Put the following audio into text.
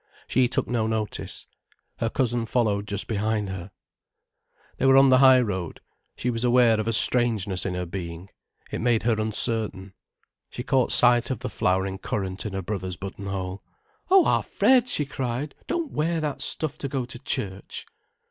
She took no notice. Her cousin followed just behind her. They were on the high road. She was aware of a strangeness in her being. It made her uncertain. She caught sight of the flowering currant in her brother's buttonhole. "Oh, our Fred," she cried. "Don't wear that stuff to go to church."